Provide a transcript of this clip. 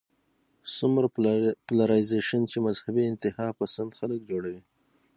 څومره پولرايزېشن چې مذهبي انتها پسند خلک جوړوي